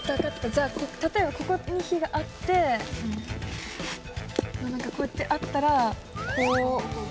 じゃあ例えばここに火があってなんかこうやってあったらこうかぶって。